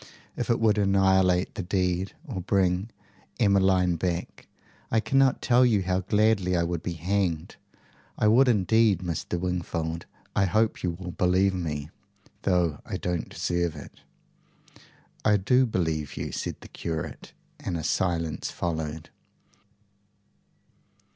If it would annihilate the deed, or bring Emmeline back, I cannot tell you how gladly I would be hanged. I would, indeed, Mr. Wingfold. I I hope you will believe me, though I don't deserve it." "I do believe you," said the curate, and a silence followed.